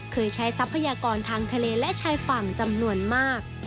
เคยใช้ทรัพยากรทางทะเลและชายฝั่งจำนวนมาก